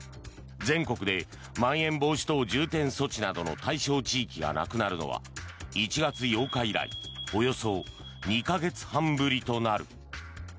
全国でまん延防止等重点措置などの対象地域がなくなるのは、１月８日以来およそ２か月半ぶりとなる。